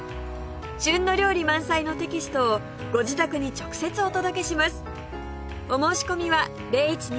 旬の料理満載のテキストをご自宅に直接お届けします